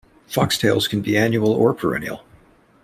Foxtails can be annual or perennial.